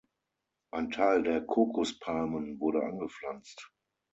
Ein Teil der Kokospalmen wurde angepflanzt.